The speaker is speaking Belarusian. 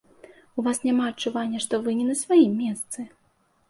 У вас няма адчування, што вы не на сваім месцы?